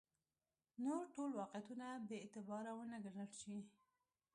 نور ټول واقعیتونه بې اعتباره ونه ګڼل شي.